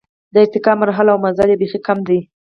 د ارتقا مراحل او مزل یې بېخي کم دی.